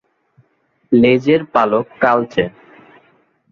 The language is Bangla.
লেজের পালক কালচে।